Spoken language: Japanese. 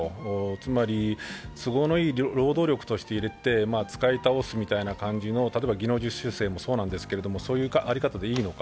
つまり、都合のいい労働力として入れて使い倒すみたいな感じの、技能実習生もそうなんですがそういう在り方でいいのか。